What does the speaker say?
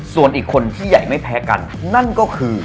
ส่วนอีกคนที่ใหญ่ไม่แพ้กันนั่นก็คือ